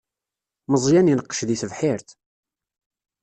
Meẓyan ineqqec di tebḥirt.